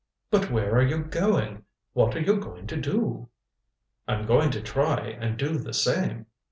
"But where are you going? What are you going to do?" "I'm going to try and do the same."